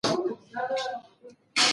دا دواړه په ترکیه کې ترلاسه کیږي.